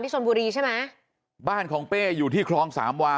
ชนบุรีใช่ไหมบ้านของเป้อยู่ที่คลองสามวา